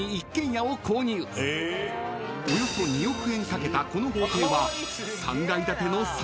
［およそ２億円かけたこの豪邸は３階建ての］